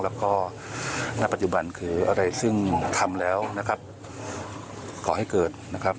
แล้วก็ในปัจจุบันคืออะไรซึ่งทำแล้วขอให้เกิด